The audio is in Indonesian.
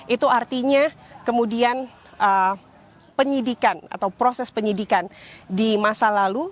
itu artinya kemudian penyidikan atau proses penyidikan di masa lalu